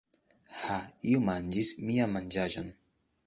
Ha, iu manĝis mian manĝaĵon!